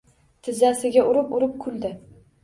Tizzasiga urib-urib kuldi.